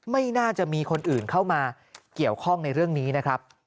ไม่น่าจะมีคนอื่นเข้ามาเกี่ยวข้องในเรื่องนี้นะครับ